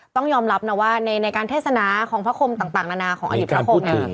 ต้องยอมรับนะว่าในการเทศนาของพระคมต่างนานาของอดีตพระคมเนี่ย